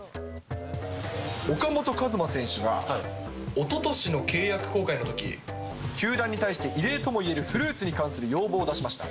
岡本和真選手が、おととしの契約更改のとき、球団に対して異例ともいえるフルーツに関する要望を出しました。